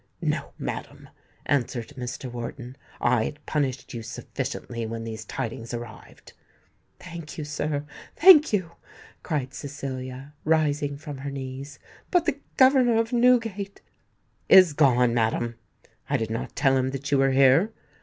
"No, madam," answered Mr. Wharton; "I had punished you sufficiently when these tidings arrived." "Thank you, sir—thank you," cried Cecilia, rising from her knees. "But the governor of Newgate——" "Is gone, madam. I did not tell him that you were here.